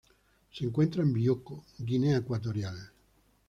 Se encuentra en Bioko, Guinea Ecuatorial.